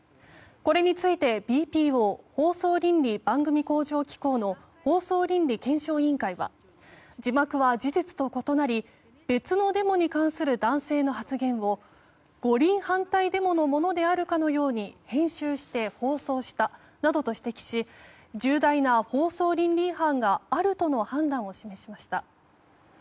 これについてＢＰＯ・放送倫理・番組向上機構の放送倫理検証委員会は字幕は事実と異なり別のデモに関する男性の発言を五輪反対デモのものであるかのように編集して放送したなどと指摘し重大な放送倫理違反があるとの判断を示しました。